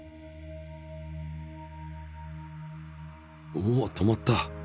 おっ止まった！